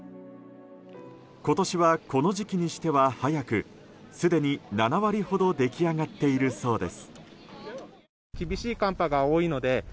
今年はこの時期にしては早くすでに７割ほど出来上がっているそうです。